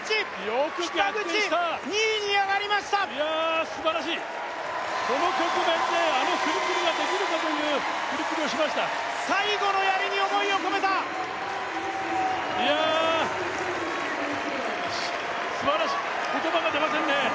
よく逆転した北口２位に上がりましたいや素晴らしいこの局面であの振り切りができるかという振り切りをしました最後のやりに思いを込めたいや素晴らしい言葉が出ませんね